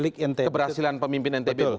keberhasilan pemimpin ntb